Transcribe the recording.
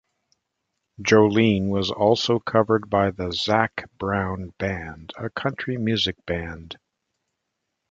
"Jolene," was also covered by the Zac Brown Band, a country music band.